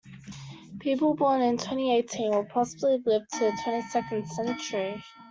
People born in twenty-eighteen will possibly live into the twenty-second century.